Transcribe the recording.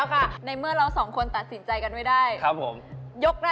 ข้อที่แพงออกให้หนูเลยค่ะ